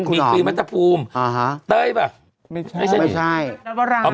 มีคือมัสตภูมิอ่าฮะไตรปะไม่ใช่ไม่ใช่น้ำวารา